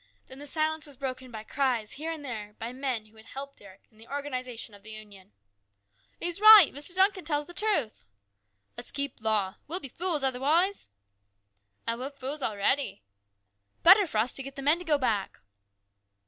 Then the silence was broken by cries here and there by men who had helped Eric in the organisation of the Union. " He's right ! Mr. Duncan tells the truth." " Let's keep law. We'll be fools otherwise !"" Ay, we're fools a'ready !"" Better for us to get the men to go back